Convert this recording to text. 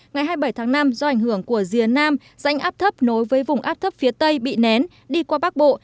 ngày hai mươi bảy tháng năm do ảnh hưởng của rìa nam rãnh áp thấp nối với vùng áp thấp phía tây bị nén đi qua bắc bộ